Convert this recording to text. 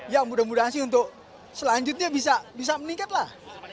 ya mudah mudahan sih untuk selanjutnya bisa meningkat lah